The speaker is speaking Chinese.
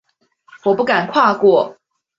我不敢跨过